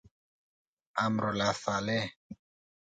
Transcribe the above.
امرالله صالح.